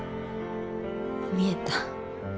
見えた。